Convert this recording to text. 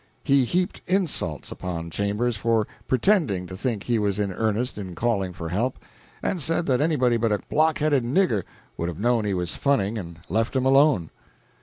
He heaped insults upon Chambers for "pretending" to think he was in earnest in calling for help, and said that anybody but a block headed nigger would have known he was funning and left him alone.